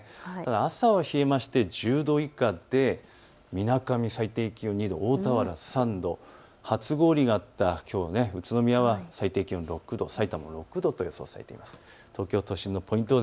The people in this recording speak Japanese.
朝は冷えまして１０度以下でみなかみ最低気温２度大田原３度、初氷があった宇都宮は最低気温６度、さいたま６度と予想されています。